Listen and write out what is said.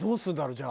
じゃあ。